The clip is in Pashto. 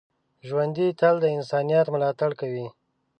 ژوندي تل د انسانیت ملاتړ کوي